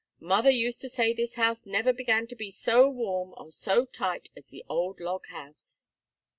Mother used to say this house never began to be so warm or so tight as the old log house."